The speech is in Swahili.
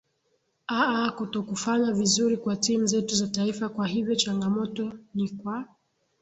aa kutokufanya vizuri kwa timu zetu za taifa kwa hivyo changamoto ni kwa